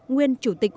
nguyên chủ tịch